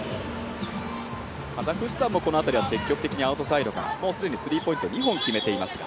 カザフスタンもこのあたりは積極的にアウトサイドから、もうすでにスリーポイント２本、決めていますが。